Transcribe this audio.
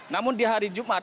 namun di hari jumat